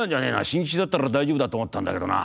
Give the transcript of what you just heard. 新吉だったら大丈夫だと思ったんだけどな。